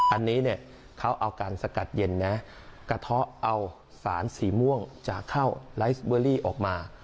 อันนี้เนี่ยเขาเอาการสกัดเย็นนะกระเทาะเอาสารสีม่วงจากข้าวไลฟ์เบอรี่ออกมา